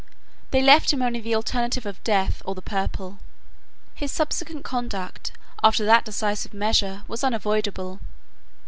They left him only the alternative of death or the purple. His subsequent conduct, after that decisive measure, was unavoidable.